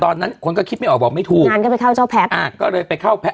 ตอนนั้นคนก็คิดไม่ออกบอกไม่ถูกงานก็ไปเข้าเจ้าแพทย์อ่าก็เลยไปเข้าแพท